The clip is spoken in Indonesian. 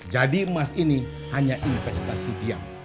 jadi emas ini hanya investasi diam